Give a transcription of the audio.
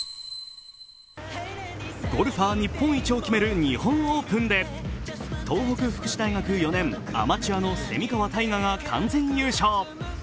ゴルファー日本一を決める日本オープンで、東北福祉学４年、蝉川泰果が完全優勝。